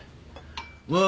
まあ